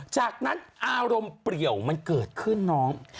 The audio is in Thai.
จากนั้นอารมณ์เปรียวมันเกิดขึ้นน้อง